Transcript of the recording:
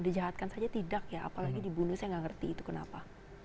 dijahatkan saja tidak ya apalagi dibunuh saya nggak ngerti itu kenapa